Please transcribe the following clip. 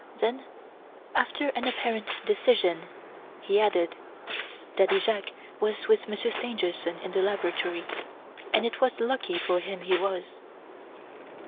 Then, after an apparent decision, he added: "Daddy Jacques was with Monsieur Stangerson in the laboratory and it was lucky for him he was."